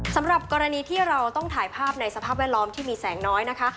สำหรับกรณีที่เราต้องถ่ายภาพในสภาพแวดล้อมที่มีแสงน้อยนะคะ